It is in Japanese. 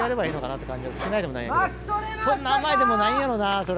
⁉・そんな甘いでもないんやろな。